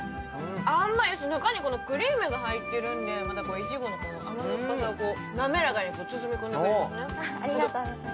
あんまい、中にクリームが入っているのでまた、いちごの甘酸っぱさを滑らかに包み込んでくれますね。